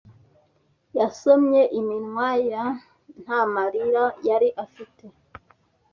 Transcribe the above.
Yasomye iminwa year nta marira yari afite